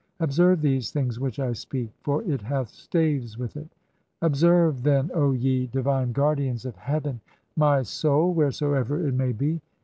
[Observe these things "which [I] speak, for it hath staves with it] l ; observe then, O ye "divine guardians of heaven, my soul [wheresoever it may be].